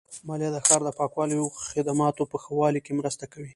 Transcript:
مالیه د ښار د پاکوالي او خدماتو په ښه والي کې مرسته کوي.